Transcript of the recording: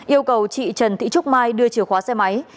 yêu cầu chị trần thị trúc mai đưa chìa khóa xe máy